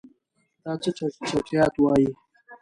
دا څه چټیات وایې.